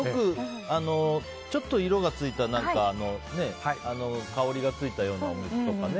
色がついた香りがついたようなやつとかね。